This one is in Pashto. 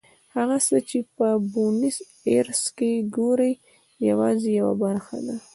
هغه څه چې په بونیس ایرس کې ګورئ یوازې یوه برخه ده.